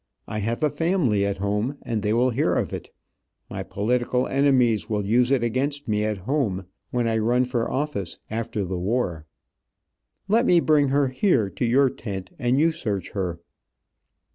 I have a family at home, and they will hear of it. My political enemies will use it against me at home when I run for office, after the war. Let me bring her here to your tent, and you search her."